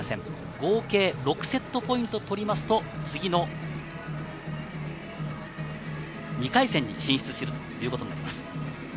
合計６セットポイントを取りますと、次の２回戦に進出するということになります。